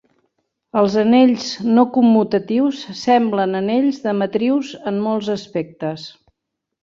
Els anells no commutatius semblen anells de matrius en molts aspectes.